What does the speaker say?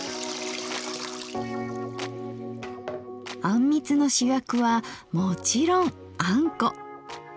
あんみつの主役はもちろんあんこ！